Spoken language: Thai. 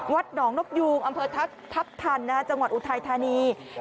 วัดหนองนกโยงอำเภอทัฟธรรณาจังหวัดอุทัยธารีย์